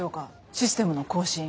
システムの更新。